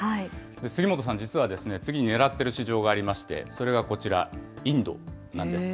杉本さん、実は次にねらっている市場がありまして、それがこちら、インドなんです。